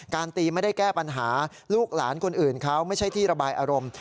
ตีไม่ได้แก้ปัญหาลูกหลานคนอื่นเขาไม่ใช่ที่ระบายอารมณ์